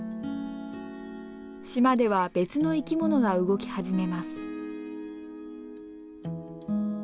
島では別の生き物が動き始めます。